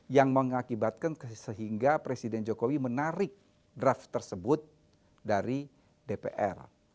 yang mengakibatkan sehingga presiden jokowi menarik draft tersebut dari dpr